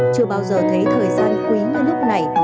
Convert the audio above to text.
chưa bao giờ thấy thời gian quý như lúc này